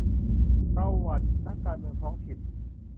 ประวัตินักการเมืองท้องถิ่น